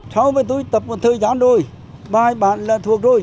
sau với tôi tập một thời gian rồi bài bản là thuộc rồi